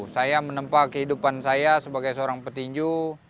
saya menempa kehidupan saya sebagai seorang petinju